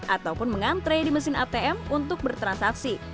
ataupun mengantre di mesin atm untuk bertransaksi